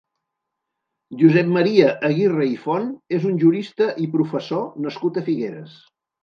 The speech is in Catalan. Josep Maria Aguirre i Font és un jurista i professor nascut a Figueres.